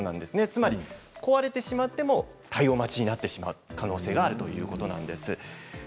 つまり壊れてしまっても対応を待ちになる可能性があるということです。